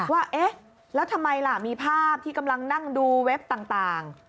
ว่าเอ๊ะแล้วทำไมล่ะมีภาพที่กำลังนั่งดูเว็บต่าง